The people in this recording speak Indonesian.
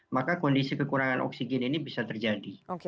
maka kondisi kekurangan oksigen ini bisa terjadi